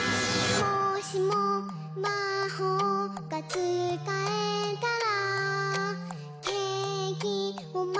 「もしもまほうがつかえたら」